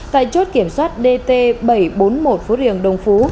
tại chốt kiểm soát dt bảy trăm bốn mươi một phố riềng đồng phú